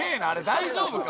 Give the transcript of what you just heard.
大丈夫か？